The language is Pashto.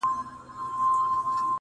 بدرګه را سره ستوري وړمه یاره,